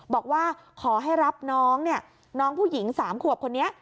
บอกว่าขอให้รับน้องเนี่ยน้องผู้หญิง๓ขวบคนนี้